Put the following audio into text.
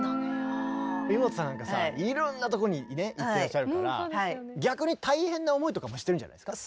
イモトさんなんかさいろんなとこにね行ってらっしゃるから逆に大変な思いとかもしてるんじゃないですか？